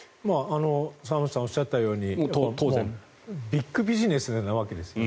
沢松さんがおっしゃったようにビッグビジネスなわけですよね。